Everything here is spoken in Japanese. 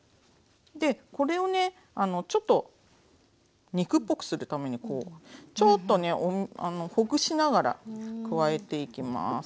でこれをねちょっと肉っぽくするためにちょっとねほぐしながら加えていきます。